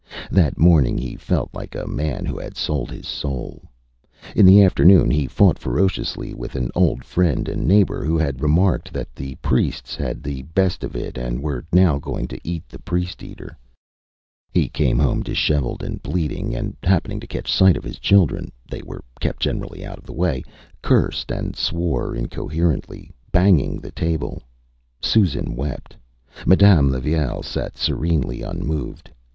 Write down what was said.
That morning he felt like a man who had sold his soul. In the afternoon he fought ferociously with an old friend and neighbour who had remarked that the priests had the best of it and were now going to eat the priest eater. He came home dishevelled and bleeding, and happening to catch sight of his children (they were kept generally out of the way), cursed and swore incoherently, banging the table. Susan wept. Madame Levaille sat serenely unmoved.